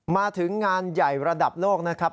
มาถึงงานใหญ่ระดับโลกนะครับ